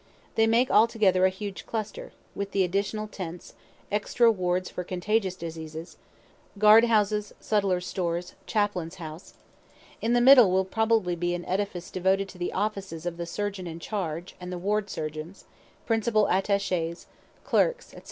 They make altogether a huge cluster, with the additional tents, extra wards for contagious diseases, guard houses, sutler's stores, chaplain's house; in the middle will probably be an edifice devoted to the offices of the surgeon in charge and the ward surgeons, principal attaches, clerks, &c.